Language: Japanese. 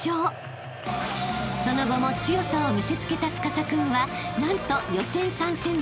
［その後も強さを見せつけた司君は何と］